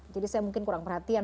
jadi saya mungkin kurang perhatian